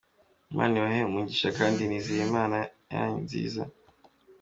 Imana ibahe umugisha kandi nizeye inama zanyu nziza.